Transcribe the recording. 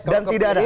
dan tidak ada